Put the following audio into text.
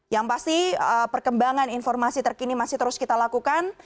yang pasti perkembangan informasi terkini masih terus kita lakukan